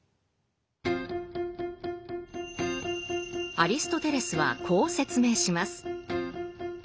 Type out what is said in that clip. アリストテレスはこう説明します。